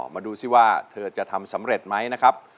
มาดูซิว่าเธอจะทำสำเร็จไหมนะครับ